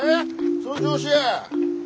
その調子や。